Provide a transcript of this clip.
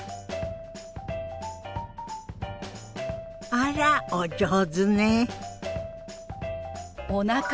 あらお上手ね。